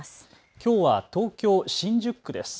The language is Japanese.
きょうは東京新宿区です。